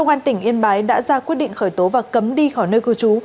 công an tỉnh yên bái đã ra quyết định khởi tố và cấm đi khỏi nơi cư trú